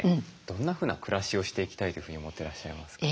どんなふうな暮らしをしていきたいというふうに思ってらっしゃいますか？